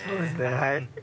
はい。